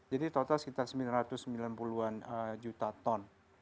jadi total sekitar sembilan ratus sembilan puluh an juta ton